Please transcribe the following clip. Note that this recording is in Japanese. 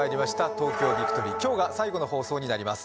「東京ＶＩＣＴＯＲＹ」今日が最後の放送になります